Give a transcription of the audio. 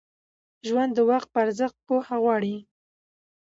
ژوند د وخت په ارزښت پوهه غواړي.